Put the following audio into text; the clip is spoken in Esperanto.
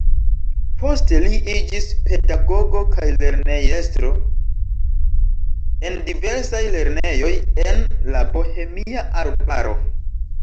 Poste li iĝis pedagogo kaj lernejestro en diversaj lernejoj en la Bohemia arbaro.